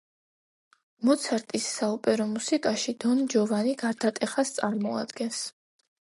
მოცარტის საოპერო მუსიკაში დონ ჯოვანი გარდატეხას წარმოადგენს.